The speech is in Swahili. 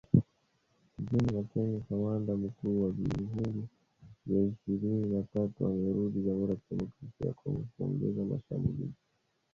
Gen. Makenga, kamanda mkuu wa Vuguvugu ya Ishirini na tatu amerudi Jamuhuri ya Kidemokrasia ya Kongo kuongoza mashambulizi